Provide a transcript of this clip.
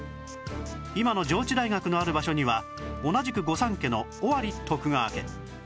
今の上智大学のある場所には同じく御三家の尾張徳川家